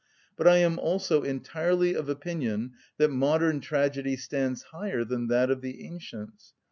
But I am also entirely of opinion that modern tragedy stands higher than that of the ancients.